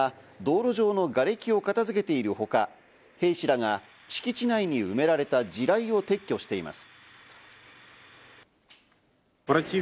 ロシア軍の車両が道路上のがれきを片付けているほか、兵士らが敷地内に埋められた地雷を撤去しています。